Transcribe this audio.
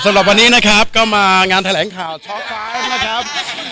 สำหรับวันนี้นะครับก็มางานแถลงข่าวท็อกไฟล์นะครับ